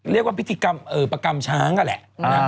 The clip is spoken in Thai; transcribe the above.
เรียกว่าพิธีกรรมประกำช้างนั่นแหละ